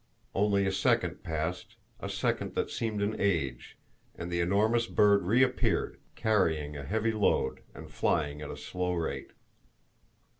Only a second passed, a second that seemed an age, and the enormous bird reappeared, carrying a heavy load and flying at a slow rate.